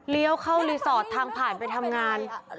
เข้ารีสอร์ททางผ่านไปทำงาน